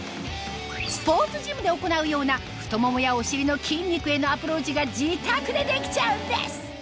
スポーツジムで行うような太ももやお尻の筋肉へのアプローチが自宅でできちゃうんです！